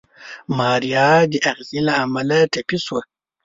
ماريا د اغزي له امله ټپي شوه.